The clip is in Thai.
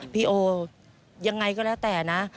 พี่โอยังไงก็แล้วแต่นะ